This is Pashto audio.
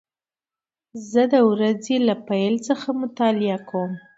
زه د ورځې له پیل سره مطالعه کوم.